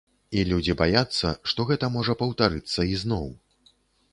І людзі баяцца, што гэта можа паўтарыцца ізноў.